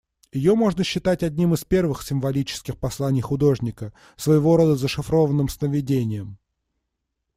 Ее можно считать одним из первых символических посланий художника, своего рода зашифрованным «сновидением».